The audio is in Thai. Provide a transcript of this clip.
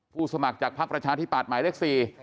สมัครจากภักดิ์ประชาธิปัตย์หมายเลข๔